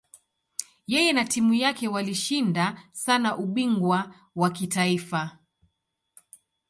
Yeye na timu yake walishinda sana ubingwa wa kitaifa.